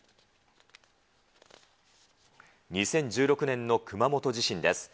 ２０１６年の熊本地震です。